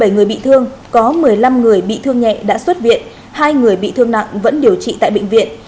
bảy người bị thương có một mươi năm người bị thương nhẹ đã xuất viện hai người bị thương nặng vẫn điều trị tại bệnh viện